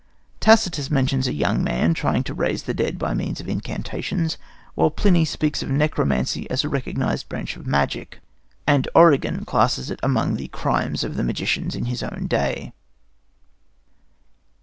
Tacitus mentions a young man trying to raise the dead by means of incantations, while Pliny speaks of necromancy as a recognized branch of magic, and Origen classes it among the crimes of the magicians in his own day.